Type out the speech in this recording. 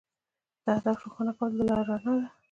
د هدف روښانه کول د لارې رڼا ده.